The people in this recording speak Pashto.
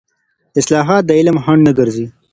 اصطلاحات د علم خنډ نه ګرځي.